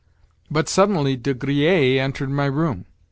But suddenly De Griers entered my room.